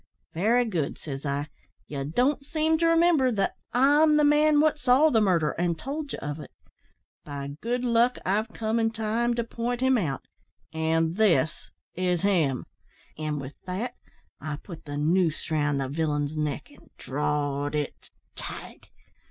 "`Very good,' says I, `ye don't seem to remimber that I'm the man what saw the murder, and told ye of it. By good luck, I've come in time to point him out an' this is him.' An' with that I put the noose round the villain's neck and drawed it tight.